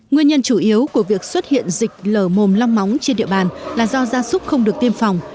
nguyên nhân chủ yếu của việc xuất hiện dịch lở mồm long móng trên địa bàn là do gia súc không được tiêm phòng